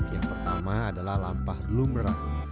yang pertama adalah lampa lumrah